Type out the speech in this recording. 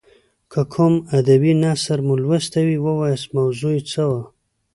که کوم ادبي نثر مو لوستی وي ووایاست موضوع یې څه وه.